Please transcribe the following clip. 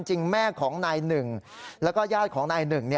แม่ของนายหนึ่งแล้วก็ญาติของนายหนึ่ง